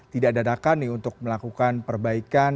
tidak dadakan untuk melakukan perbaikan